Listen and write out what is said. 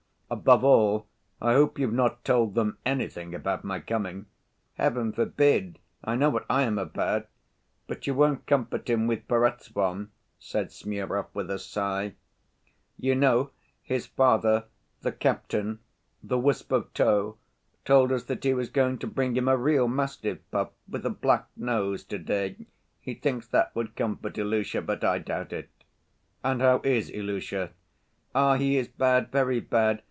Above all, I hope you've not told them anything about my coming." "Heaven forbid! I know what I am about. But you won't comfort him with Perezvon," said Smurov, with a sigh. "You know his father, the captain, 'the wisp of tow,' told us that he was going to bring him a real mastiff pup, with a black nose, to‐day. He thinks that would comfort Ilusha; but I doubt it." "And how is Ilusha?" "Ah, he is bad, very bad!